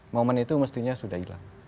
momen itu mestinya sudah hilang